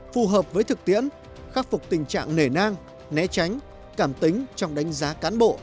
phù hợp với thực tiễn khắc phục tình trạng nể nang né tránh cảm tính trong đánh giá cán bộ